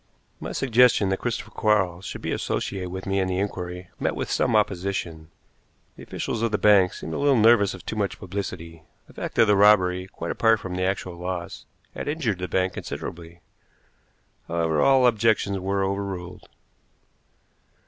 My suggestion that Christopher Quarles should be associated with me in the inquiry met with some opposition. The officials of the bank seemed a little nervous of too much publicity. The fact of the robbery, quite apart from the actual loss, had injured the bank considerably. However, all objections were overruled.